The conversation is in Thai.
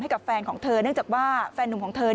กับแฟนของเธอเนื่องจากว่าแฟนหนุ่มของเธอ